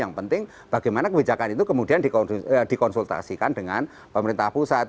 yang penting bagaimana kebijakan itu kemudian dikonsultasikan dengan pemerintah pusat